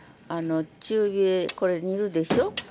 中火でこれ煮るでしょ？